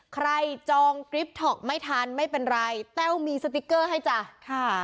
จองกริปท็อกไม่ทันไม่เป็นไรแต้วมีสติ๊กเกอร์ให้จ้ะค่ะ